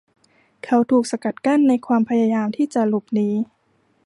เขาถูกสกัดกั้นในความพยายามที่จะหลบหนี